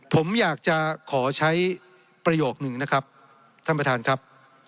ผมอยากจะขอใช้ประโยคหนึ่งนะครับท่านประธานครับ